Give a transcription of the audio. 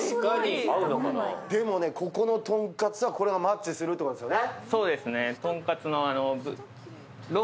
でもね、ここの豚かつはこれがマッチするということですよね？